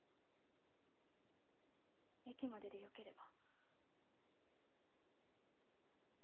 駅まででよければ。